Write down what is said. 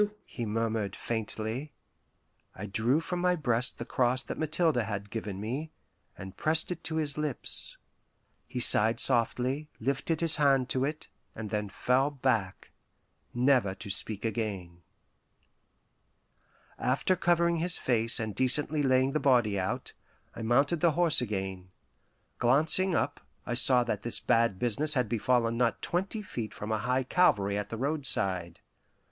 "Jesu " he murmured faintly. I drew from my breast the cross that Mathilde had given me, and pressed it to his lips. He sighed softly, lifted his hand to it, and then fell back, never to speak again. After covering his face and decently laying the body out, I mounted the horse again. Glancing up, I saw that this bad business had befallen not twenty feet from a high Calvary at the roadside.